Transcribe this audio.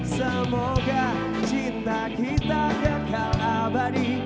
semoga cinta kita abadi